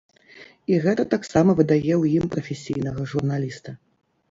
І гэта таксама выдае ў ім прафесійнага журналіста.